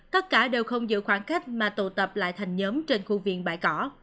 tất cả đều không giữ khoảng cách mà tụ tập lại thành nhóm trên khu vườn bãi cỏ